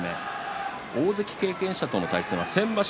大関経験者としての対戦は先場所